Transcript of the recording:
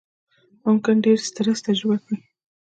ممکن ډېر سټرس تجربه کړئ،